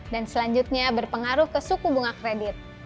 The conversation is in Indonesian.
dan selanjutnya berpengaruh ke suku bunga kredit